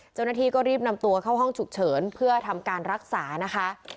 เจ้าหน้าที่ก็รีบนำตัวเข้าห้องฉุกเฉินเพื่อทำการรักษานะคะ